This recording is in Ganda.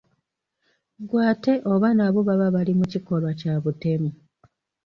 Ggwe ate oba nabo baba bali mu kikolwa kya butemu!